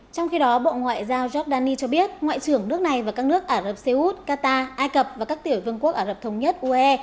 trong khi đó bộ ngoại giao giordani cho biết ngoại trưởng nước này và các nước ả rập xê út qatar ai cập và các tiểu vương quốc ả rập thống nhất uae